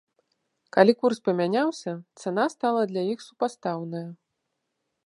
Калі курс памяняўся, цана стала для іх супастаўная.